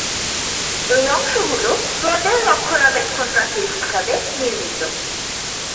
এই অংশগুলো হ্রদের রক্ষণাবেক্ষণ প্রাচীর হিসাবে নির্মিত।